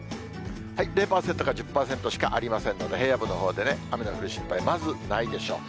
０％か１０％しかありませんので、平野部のほうで雨の降る心配、まずないでしょう。